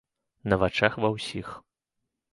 На вачах ва ўсіх.